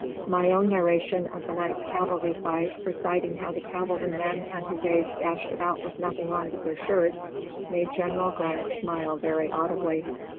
My own narration of the night's cavalry fight, reciting how the cavalrymen and his aids dashed about with nothing on but their shirts, made General Grant smile very audibly.